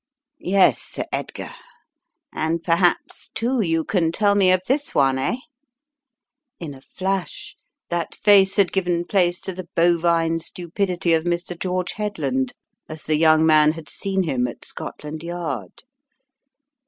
"Yes, Sir Edgar, and perhaps, too, you can tell me of this one, eh?" In a flash, that face had given place to the bovine stupidity of Mr. George Headland, as the young man had seen him at Scotland Yard.